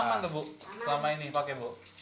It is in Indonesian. kapan tuh bu selama ini pakai bu